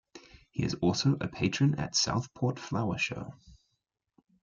He is also a patron at Southport Flower Show.